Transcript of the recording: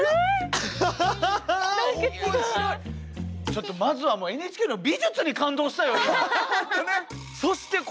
ちょっとまずはＮＨＫの美術に感動したよ。